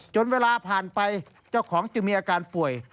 เวลาผ่านไปเจ้าของจึงมีอาการป่วย